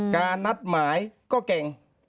นัดหมายก็เก่ง